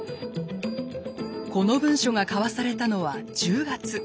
この文書が交わされたのは１０月。